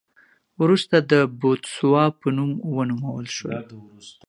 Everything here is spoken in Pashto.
وروسته د بوتسوانا په نوم ونومول شول.